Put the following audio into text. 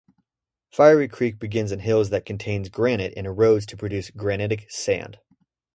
Fiery Creek begins in hills that contain granite and erode to produce granitic sand.